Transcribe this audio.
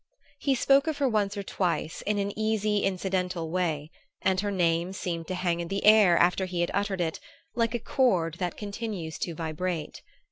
He spoke of her once or twice, in an easy incidental way, and her name seemed to hang in the air after he had uttered it, like a chord that continues to vibrate.